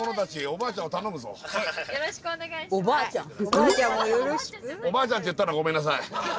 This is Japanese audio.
おばあちゃんって言ったのごめんなさい。